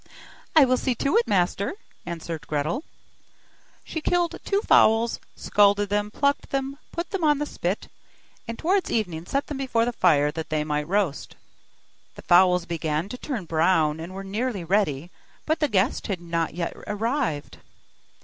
'I will see to it, master,' answered Gretel. She killed two fowls, scalded them, plucked them, put them on the spit, and towards evening set them before the fire, that they might roast. The fowls began to turn brown, and were nearly ready, but the guest had not yet arrived.